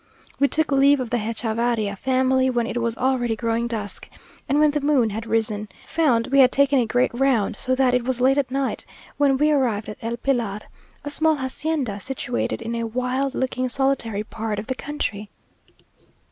We took leave of the Hechavarria family when it was already growing dusk, and when the moon had risen found we had taken a great round; so that it was late at night when we arrived at El Pilar, a small hacienda, situated in a wild looking, solitary part of the country.